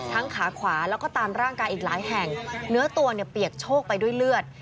ขาขวาแล้วก็ตามร่างกายอีกหลายแห่งเนื้อตัวเนี่ยเปียกโชคไปด้วยเลือด